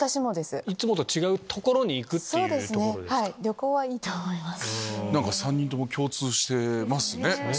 旅行はいいと思います。